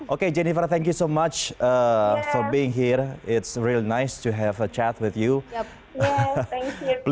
oke jennifer terima kasih banyak telah berada di sini